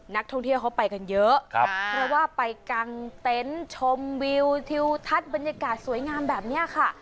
นักท่องเที่ยวเขาไปกันเยอะครับเพราะว่าไปกางเต็นต์ชมวิวทิวทัศน์บรรยากาศสวยงามแบบนี้ค่ะ